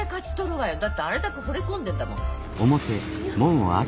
だってあれだけほれ込んでるんだもん。